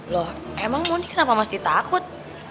loh emang moni kenapa mesti takut